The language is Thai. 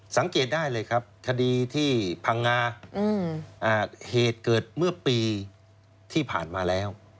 สังเกตได้เลยครับคดีที่พังงาเหตุเกิดเมื่อปีที่ผ่านมาแล้ว